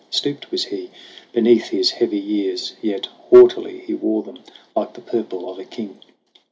Stooped was he Beneath his heavy years, yet haughtily He wore them like the purple of a king.